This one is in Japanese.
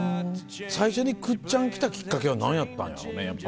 最初に倶知安来たきっかけは何やったんやろねやっぱ。